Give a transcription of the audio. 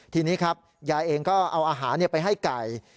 ทีนี้ครับยายเองก็เอาอาหารไปให้ไก่